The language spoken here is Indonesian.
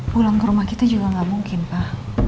pulang ke rumah kita juga nggak mungkin pak